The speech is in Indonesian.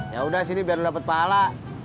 yaudah sini biar lu dapet pahala